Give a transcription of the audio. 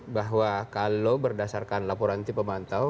bahwa kalau berdasarkan laporan tim pemantau